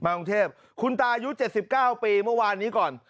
กรุงเทพคุณตายุ๗๙ปีเมื่อวานนี้ก่อน